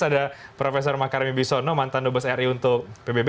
ada profesor makarim ibisono mantan nobos ri untuk pbb